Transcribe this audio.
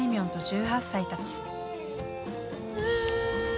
んと１８歳たち。